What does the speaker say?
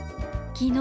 「昨日」。